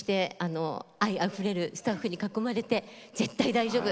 愛あふれるスタッフに囲まれて絶対大丈夫。